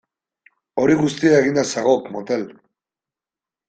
Hori guztia eginda zagok motel!